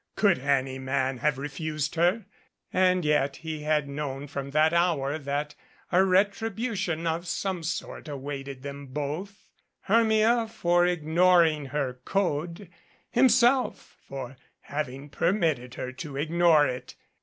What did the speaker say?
Could any man have refused her? And yet he had known from that hour that a retribution of some sort awaited them both Hermia, for ignoring her code ; him self, for having permitted her to ignore it.